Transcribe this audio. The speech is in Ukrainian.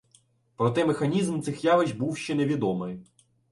Проте механізм цих явищ був ще невідомий.